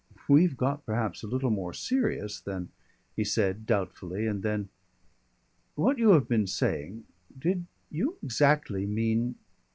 "We've got perhaps a little more serious than " he said doubtfully, and then, "What you have been saying did you exactly mean